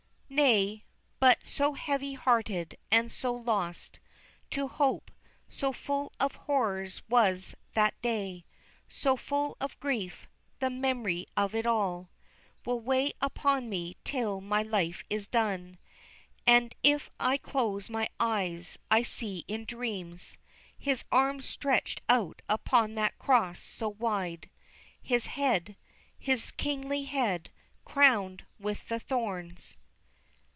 Nay, but so heavy hearted, and so lost To hope, so full of horrors was that day, So full of grief, the mem'ry of it all Will weigh upon me till my life is done. And if I close my eyes, I see in dreams His arms stretched out upon that cross so wide, His head, His kingly head, crowned with the thorns.